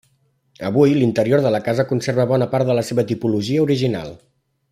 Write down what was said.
Avui l'interior de la casa conserva bona part de la seva tipologia original.